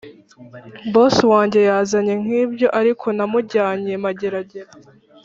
boss wanjye yazanye nkibyo ariko namujyanye mageragere